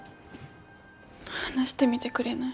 話してみてくれない？